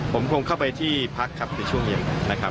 ผมคงเข้าไปที่พักครับในช่วงเย็นนะครับ